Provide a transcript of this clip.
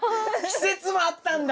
季節もあったんだ。